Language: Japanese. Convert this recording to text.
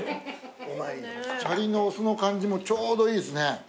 しゃりのお酢の感じもちょうどいいですね。